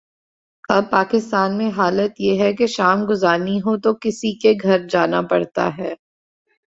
اب پاکستان میں حالت یہ ہے کہ شام گزارنی ہو تو کسی کے گھر جانا پڑتا ہے۔